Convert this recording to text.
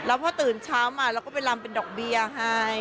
แล้วพอตื่นเช้ามาเราก็ไปลำเป็นดอกเบี้ยให้